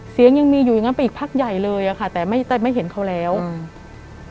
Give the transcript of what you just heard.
ยังมีอยู่อย่างงั้นไปอีกพักใหญ่เลยอ่ะค่ะแต่ไม่แต่ไม่เห็นเขาแล้วอืม